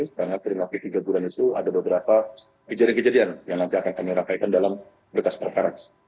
setelah terima kebijak kebijakan itu ada beberapa kejadian kejadian yang akan kami rakaikan dalam bekas perkaran